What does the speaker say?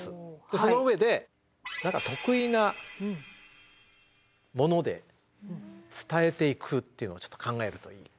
その上で何か得意なもので伝えていくっていうのをちょっと考えるといいかな。